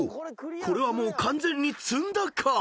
［これはもう完全に詰んだか？］